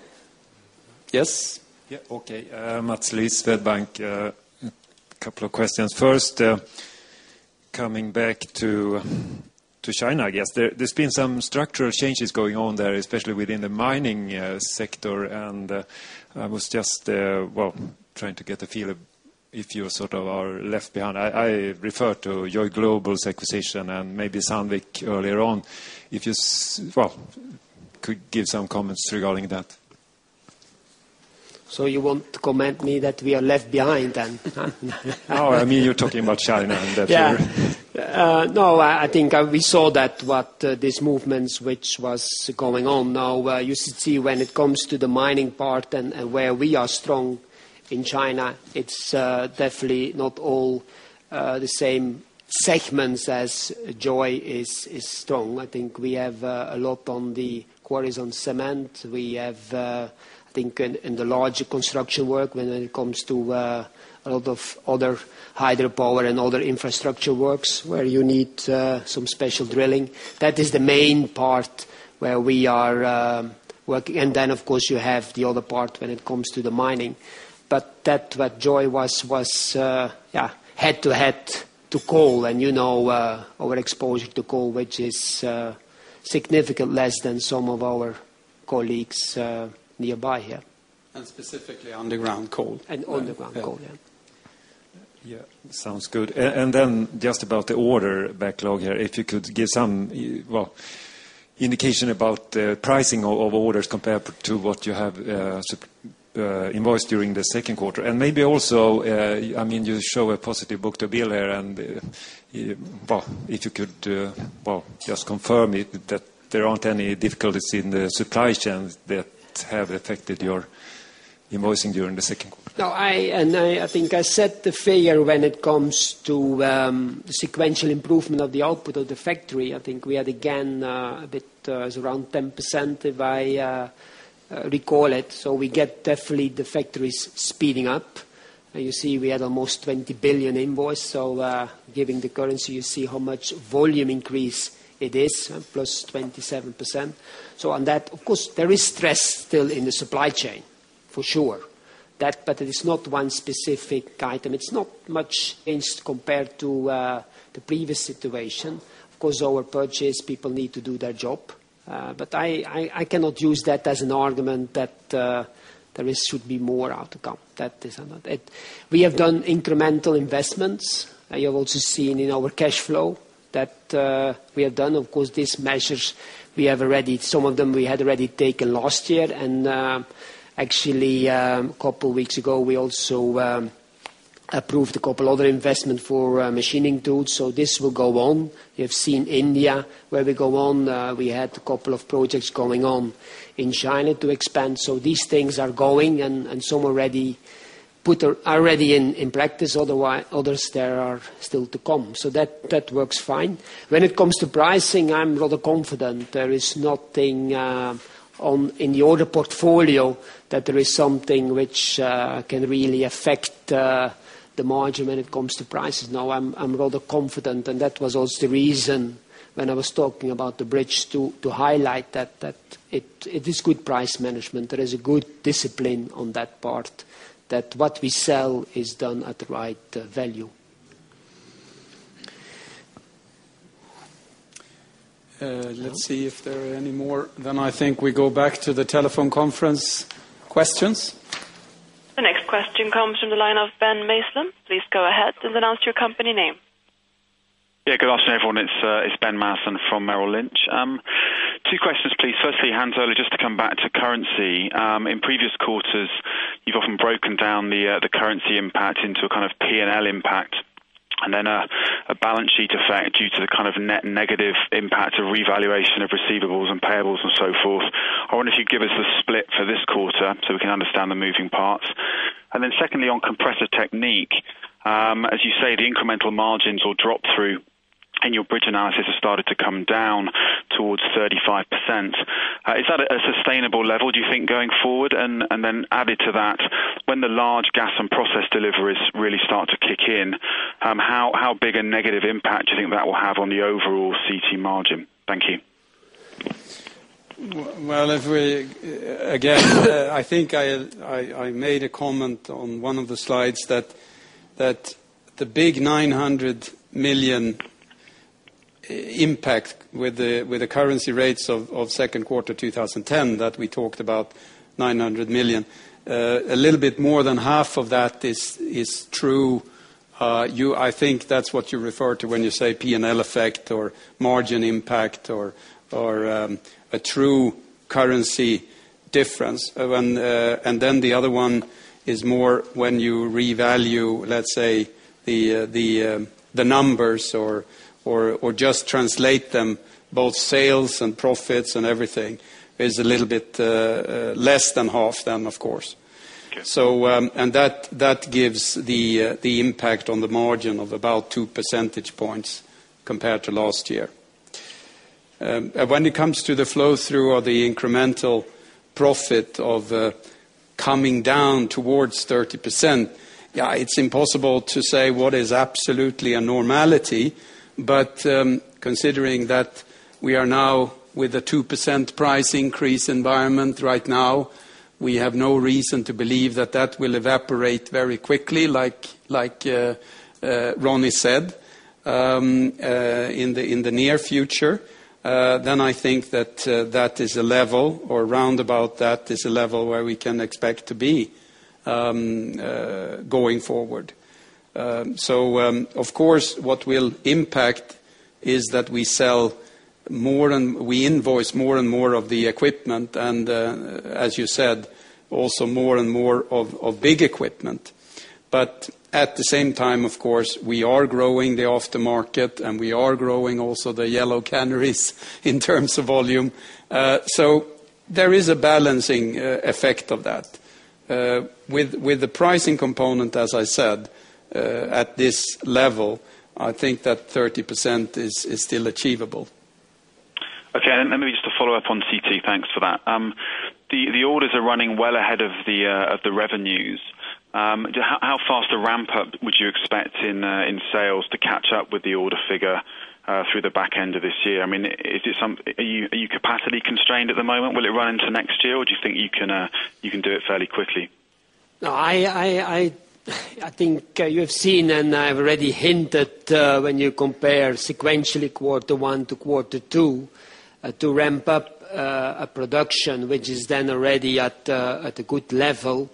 Yes, yeah. Okay. [Mats Liesveld] Bank, a couple of questions. First, coming back to China, I guess there's been some structural changes going on there, especially within the mining sector. I was just trying to get a feel if you sort of are left behind. I refer to Joy Global's acquisition and maybe Sandvik earlier on. If you could give some comments regarding that. You want to comment me that we are left behind then? No, I mean you're talking about China and that. Yeah. No, I think we saw that what this movement, which was going on now, you should see when it comes to the mining part and where we are strong in China, it's definitely not all the same segments as Joy is strong. I think we have a lot on the quarries on cement. We have, I think, in the larger construction work when it comes to a lot of other hydropower and other infrastructure works where you need some special drilling. That is the main part where we are working. Of course, you have the other part when it comes to the mining. What Joy was, was, yeah, head-to-head to coal and, you know, our exposure to coal, which is significantly less than some of our colleagues nearby here. Specifically underground coal. Underground coal, yeah. Yeah, sounds good. Just about the order backlog here, if you could give some indication about the pricing of orders compared to what you have invoiced during the second quarter. Maybe also, I mean, you show a positive book to bill here. If you could just confirm that there aren't any difficulties in the supply chains that have affected your invoicing during the second. No, I think I said the failure when it comes to the sequential improvement of the output of the factory. I think we had, again, a bit around 10% if I recall it. We get definitely the factories speeding up. You see we had almost 20 billion invoiced. Given the currency, you see how much volume increase it is, +27%. On that, of course, there is stress still in the supply chain for sure. It is not one specific item. It's not much changed compared to the previous situation. Of course, our purchase people need to do their job. I cannot use that as an argument that there should be more outcome. We have done incremental investments. You've also seen in our cash flow that we have done. These measures we have already, some of them we had already taken last year. Actually, a couple of weeks ago, we also approved a couple of other investments for machining tools. This will go on. You've seen India where we go on. We had a couple of projects going on in China to expand. These things are going and some already are put ready in practice. Others are still to come. That works fine. When it comes to pricing, I'm rather confident there is nothing in the order portfolio that can really affect the margin when it comes to prices. No, I'm rather confident. That was also the reason when I was talking about the bridge to highlight that it is good price management. There is a good discipline on that part that what we sell is done at the right value. Let's see if there are any more. I think we go back to the telephone conference questions. The next question comes from the line of Ben Maslen. Please go ahead and announce your company name. Yeah, good afternoon, everyone. It's Ben Maslen from Merrill Lynch. Two questions, please. Firstly, Hans Ola, just to come back to currency. In previous quarters, you've often broken down the currency impact into a kind of P&L impact and then a balance sheet effect due to the kind of net negative impact of revaluation of receivables and payables and so forth. I wonder if you'd give us the split for this quarter so we can understand the moving parts. Secondly, on Compressor Technique, as you say, the incremental margins or drop-through in your bridge analysis have started to come down towards 35%. Is that a sustainable level, do you think, going forward? Added to that, when the large Gas and Process deliveries really start to kick in, how big a negative impact do you think that will have on the overall CT margin? Thank you. If we, again, I think I made a comment on one of the slides that the big 900 million impact with the currency rates of second quarter 2010 that we talked about, 900 million, a little bit more than half of that is true. I think that's what you refer to when you say P&L effect or margin impact or a true currency difference. The other one is more when you revalue, let's say, the numbers or just translate them, both sales and profits and everything is a little bit less than half then, of course. That gives the impact on the margin of about two percentage points compared to last year. When it comes to the Flow-through or the incremental profit of coming down towards 30%, it's impossible to say what is absolutely a normality. Considering that we are now with a 2% price increase environment right now, we have no reason to believe that that will evaporate very quickly, like Ronnie said, in the near future. I think that that is a level or around about that is a level where we can expect to be going forward. Of course, what will impact is that we sell more and we invoice more and more of the equipment and, as you said, also more and more of big equipment. At the same time, of course, we are growing the aftermarket and we are growing also the yellow canneries in terms of volume. There is a balancing effect of that. With the pricing component, as I said, at this level, I think that 30% is still achievable. Okay, and then maybe just to follow up on CT, thanks for that. The orders are running well ahead of the revenues. How fast a ramp-up would you expect in sales to catch up with the order figure through the back end of this year? I mean, are you capacity constrained at the moment? Will it run into next year or do you think you can do it fairly quickly? No, I think you have seen and I've already hinted when you compare sequentially quarter one to quarter two to ramp up a production, which is then already at a good level.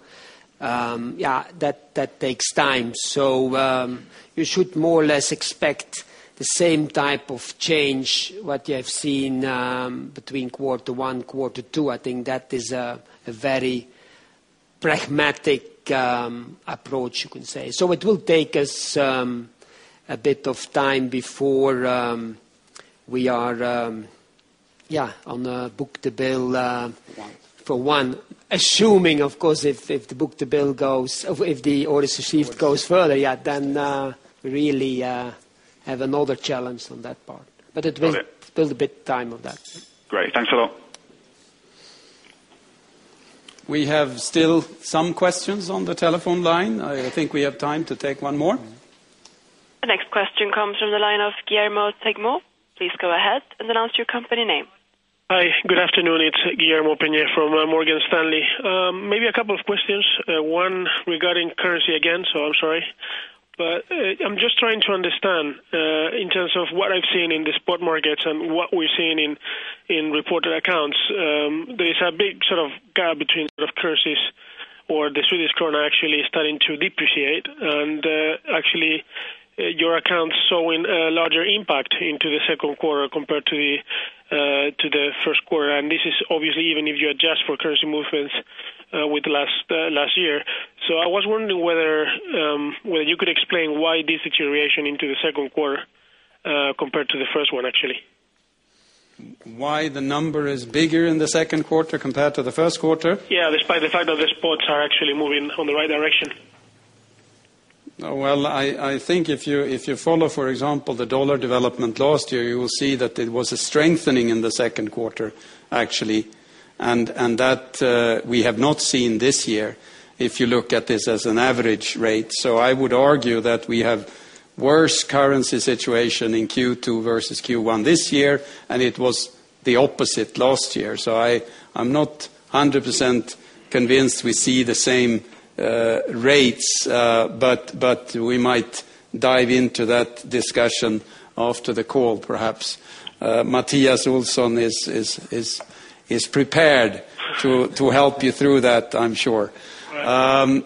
That takes time. You should more or less expect the same type of change you have seen between quarter one and quarter two. I think that is a very pragmatic approach, you can say. It will take us a bit of time before we are on the book to bill for one, assuming, of course, if the book to bill goes, if the orders received goes further, then we really have another challenge on that part. It will build a bit of time on that. Great, thanks a lot. We still have some questions on the telephone line. I think we have time to take one more. The next question comes from the line of Guillermo Peigneux. Please go ahead and announce your company name. Hi, good afternoon. It's Guillermo Peigneux from Morgan Stanley. Maybe a couple of questions. One regarding currency again, so I'm sorry. I'm just trying to understand in terms of what I've seen in the spot markets and what we've seen in reported accounts. There is a big sort of gap between currencies or the Swedish krona actually is starting to depreciate. Actually, your accounts are showing a larger impact into the second quarter compared to the first quarter. This is obviously even if you adjust for currency movements with the last year. I was wondering whether you could explain why this deterioration into the second quarter compared to the first one, actually. Why is the number bigger in the second quarter compared to the first quarter? Yeah, despite the fact that the spots are actually moving in the right direction. I think if you follow, for example, the dollar development last year, you will see that it was a strengthening in the second quarter, actually. That we have not seen this year if you look at this as an average rate. I would argue that we have a worse currency situation in Q2 versus Q1 this year, and it was the opposite last year. I'm not 100% convinced we see the same rates, but we might dive into that discussion after the call, perhaps. Mattias Olsson is prepared to help you through that, I'm sure. I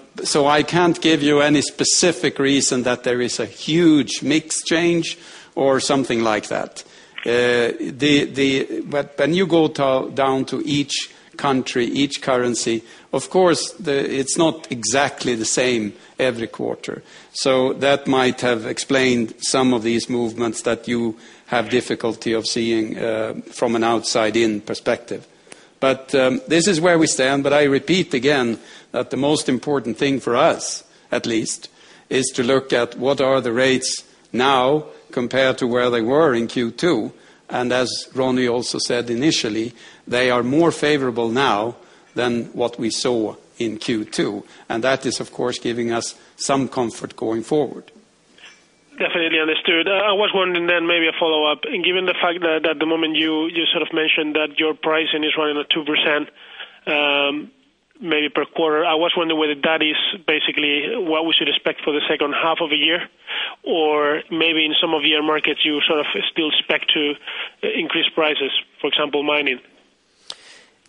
can't give you any specific reason that there is a huge mixed change or something like that. When you go down to each country, each currency, of course, it's not exactly the same every quarter. That might have explained some of these movements that you have difficulty of seeing from an outside-in perspective. This is where we stand. I repeat again that the most important thing for us, at least, is to look at what are the rates now compared to where they were in Q2. As Ronnie also said initially, they are more favorable now than what we saw in Q2. That is, of course, giving us some comfort going forward. Definitely understood. I was wondering, then maybe a follow-up. Given the fact that at the moment you sort of mentioned that your pricing is running at 2% maybe per quarter, I was wondering whether that is basically what we should expect for the second half of the year, or maybe in some of the other markets you sort of still expect to increase prices, for example, mining.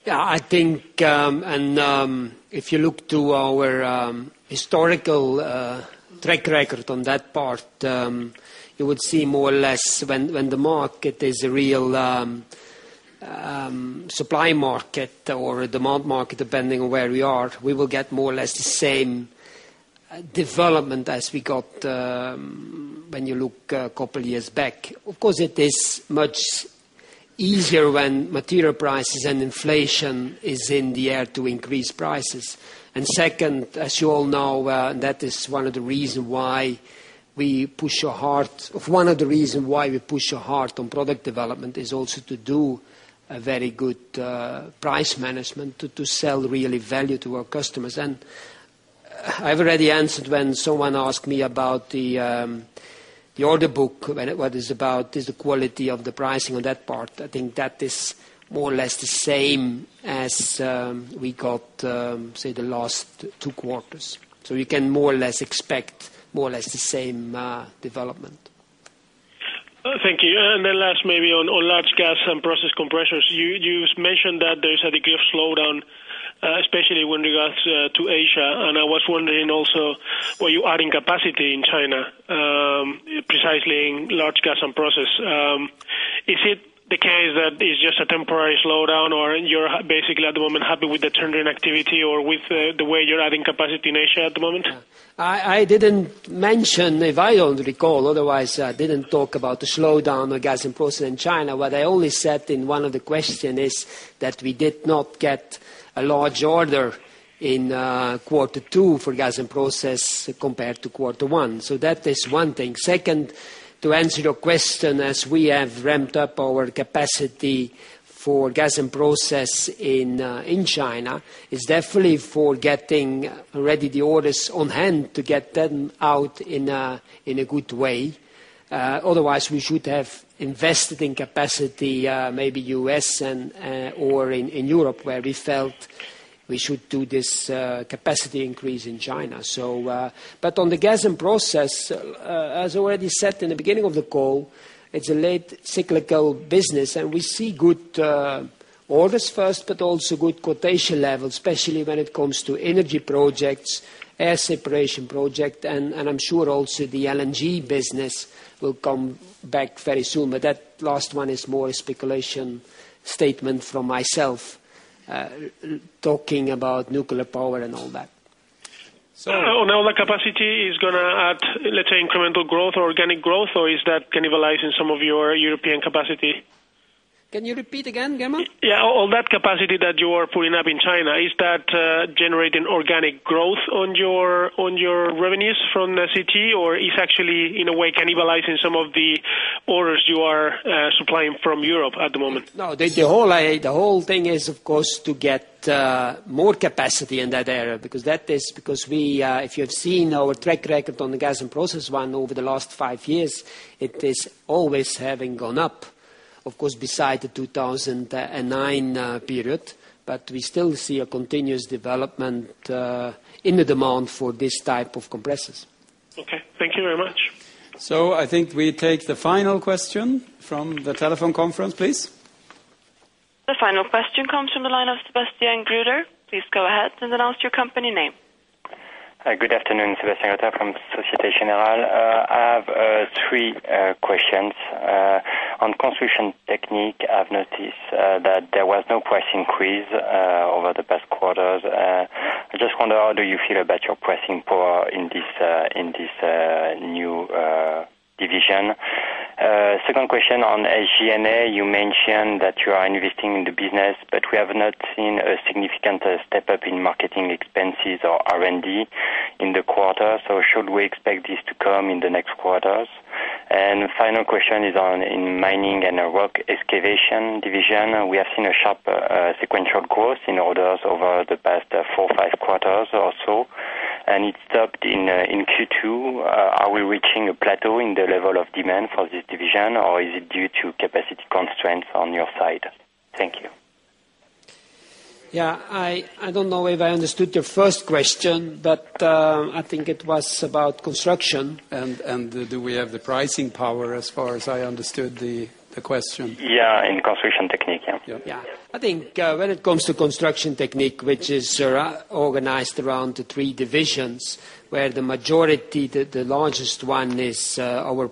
I think, if you look to our historical track record on that part, you would see more or less when the market is a real supply market or a demand market, depending on where we are, we will get more or less the same development as we got when you look a couple of years back. Of course, it is much easier when material prices and inflation are in the air to increase prices. As you all know, that is one of the reasons why we push so hard. One of the reasons why we push so hard on product development is also to do a very good price management to sell really value to our customers. I've already answered when someone asked me about the order book, what it is about, is the quality of the pricing on that part. I think that is more or less the same as we got, say, the last two quarters. You can more or less expect more or less the same development. Thank you. Last, maybe on large Gas and Process compressors, you mentioned that there's a degree of slowdown, especially when it comes to Asia. I was wondering also, are you adding capacity in China, precisely in large Gas and Process? Is it the case that it's just a temporary slowdown, or you're basically at the moment happy with the turnaround activity or with the way you're adding capacity in Asia at the moment? I didn't mention, if I don't recall, otherwise I didn't talk about the slowdown on Gas and Process in China. What I only said in one of the questions is that we did not get a large order in quarter two for Gas and Process compared to quarter one. That is one thing. Second, to answer your question, as we have ramped up our capacity for Gas and Process in China, it's definitely for getting already the orders on hand to get them out in a good way. Otherwise, we should have invested in capacity, maybe U.S. and/or in Europe, where we felt we should do this capacity increase in China. On the Gas and Process, as I already said in the beginning of the call, it's a late cyclical business. We see good orders first, but also good quotation levels, especially when it comes to energy projects, air separation projects. I'm sure also the LNG business will come back very soon. That last one is more a speculation statement from myself talking about nuclear power and all that. Is all the capacity going to add, let's say, incremental growth or organic growth, or is that cannibalizing some of your European capacity? Can you repeat again, Guillermo? Yeah, all that capacity that you are putting up in China, is that generating organic growth on your revenues from the Compressor Technique, or is it actually, in a way, cannibalizing some of the orders you are supplying from Europe at the moment? No, the whole thing is, of course, to get more capacity in that area because that is because we, if you have seen our track record on the Gas and Process one over the last five years, it is always having gone up, of course, besides the 2009 period. We still see a continuous development in the demand for this type of compressors. Okay, thank you very much. I think we take the final question from the telephone conference, please. The final question comes from the line of Sebastian [Guther]. Please go ahead and announce your company name. Good afternoon, Sébastien Gruter from Société Générale. I have three questions. On construction technique, I've noticed that there was no price increase over the past quarters. I just wonder how do you feel about your pricing power in this new division? Second question on SG&A, you mentioned that you are investing in the business, but we have not seen a significant step up in marketing expenses or R&D in the quarter. Should we expect this to come in the next quarters? The final question is in mining and a rock excavation division. We have seen a sharp sequential growth in orders over the past four or five quarters or so, and it stopped in Q2. Are we reaching a plateau in the level of demand for this division, or is it due to capacity constraints on your side? Thank you. I don't know if I understood your first question, but I think it was about construction. Do we have the pricing power as far as I understood the question? Yeah, in construction technique, yeah. Yeah, I think when it comes to construction technique, which is organized around the three divisions, where the majority, the largest one is our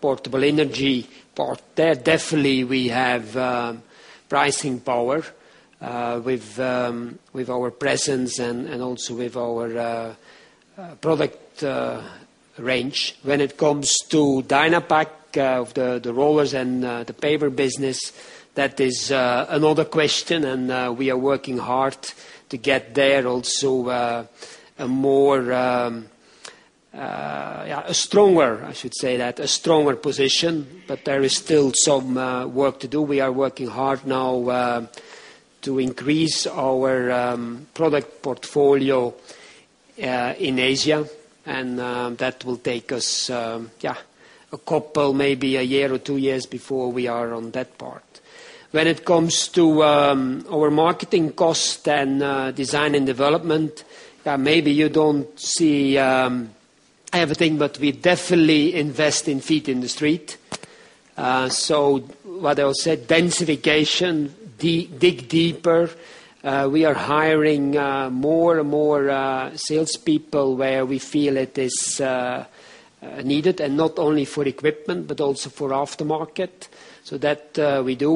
portable energy part, there definitely we have pricing power with our presence and also with our product range. When it comes to Dynapac, the rollers and the paver business, that is another question. We are working hard to get there also, a stronger position. There is still some work to do. We are working hard now to increase our product portfolio in Asia, and that will take us maybe a year or two years before we are on that part. When it comes to our marketing cost and design and development, maybe you don't see everything, but we definitely invest in feet in the street. What I said, Densification, dig deeper. We are hiring more and more salespeople where we feel it is needed, and not only for equipment, but also for aftermarket. That we do.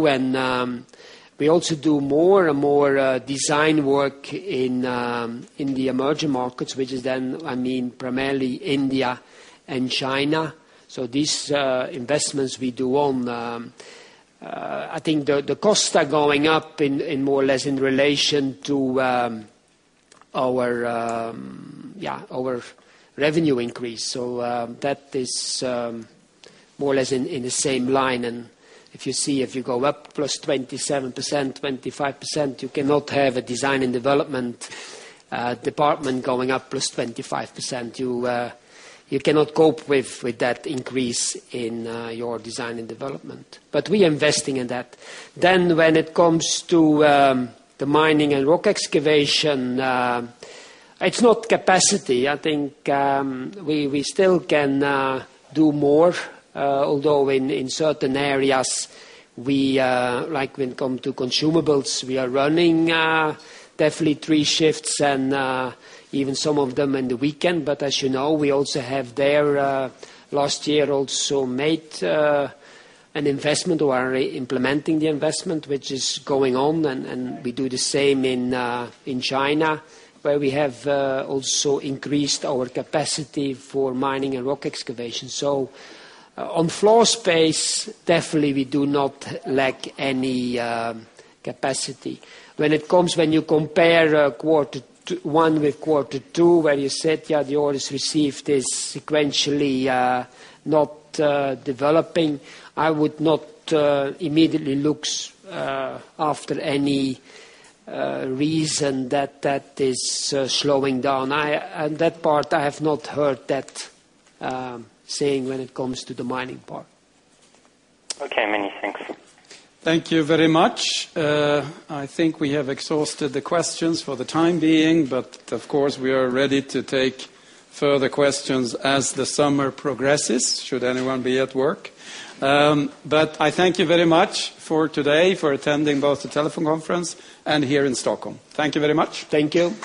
We also do more and more design work in the emerging markets, which is then, I mean, primarily India and China. These investments we do on, I think the costs are going up more or less in relation to our revenue increase. That is more or less in the same line. If you see, if you go up +27%, +25%, you cannot have a design and development department going up +25%. You cannot cope with that increase in your design and development. We are investing in that. When it comes to the mining and rock excavation, it's not capacity. I think we still can do more, although in certain areas, like when it comes to consumables, we are running definitely three shifts and even some of them in the weekend. As you know, we also have there last year also made an investment or are implementing the investment, which is going on. We do the same in China. We have also increased our capacity for mining and rock excavation. On floor space, definitely we do not lack any capacity. When you compare quarter one with quarter two, where you said the orders received are sequentially not developing, I would not immediately look after any reason that that is slowing down. On that part, I have not heard that saying when it comes to the mining part. Okay, many thanks. Thank you very much. I think we have exhausted the questions for the time being, but of course we are ready to take further questions as the summer progresses. Should anyone be at work? I thank you very much for today for attending both the telephone conference and here in Stockholm. Thank you very much. Thank you.